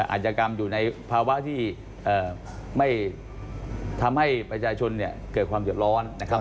อาจจะกรรมอยู่ในภาวะที่ไม่ทำให้ประชาชนเนี่ยเกิดความเดือดร้อนนะครับ